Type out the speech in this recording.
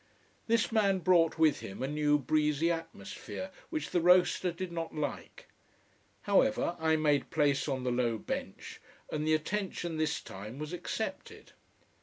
This man brought with him a new breezy atmosphere, which the roaster did not like. However, I made place on the low bench, and the attention this time was accepted.